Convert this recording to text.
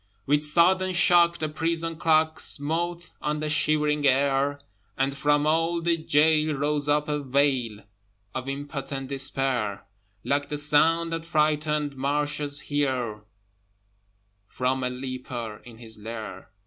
With sudden shock the prison clock Smote on the shivering air, And from all the gaol rose up a wail Of impotent despair, Like the sound that frightened marshes hear From a leper in his lair.